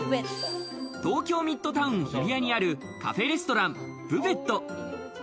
東京ミッドタウン日比谷にあるカフェレストラン・ブヴェット。